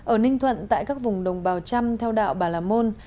ở ninh thuận tại các vùng đồng bào trăm theo đạo bà làm môn